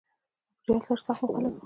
ابوجهل سر سخت مخالف و.